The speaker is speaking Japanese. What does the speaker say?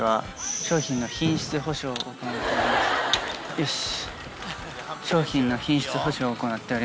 よし！